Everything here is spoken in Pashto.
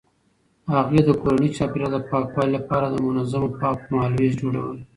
هغې د کورني چاپیریال د پاکوالي لپاره د منظمو پاکولو مهالویش جوړوي.